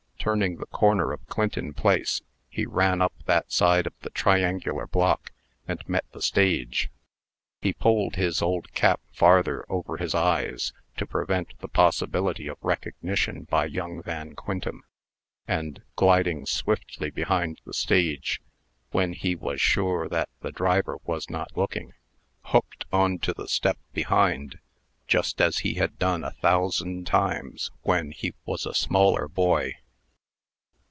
Turning the corner of Clinton Place, he ran up that side of the triangular block, and met the stage. He pulled his old cap farther over his eyes, to prevent the possibility of recognition by young Van Quintem, and, gliding swiftly behind the stage, when he was sure that the driver was not looking, hooked on to the step behind, just as he had done a thousand times when he was a smaller boy.